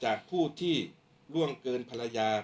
ช่างแอร์เนี้ยคือล้างหกเดือนครั้งยังไม่แอร์